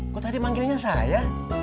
kok tadi manggilnya saya